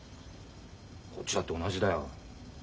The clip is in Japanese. こっちだって同じだよ。